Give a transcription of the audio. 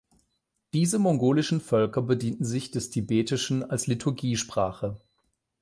Diese mongolischen Völker bedienten sich des Tibetischen als Liturgiesprache.